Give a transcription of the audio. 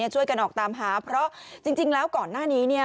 ช่วยกันออกตามหาเพราะจริงแล้วก่อนหน้านี้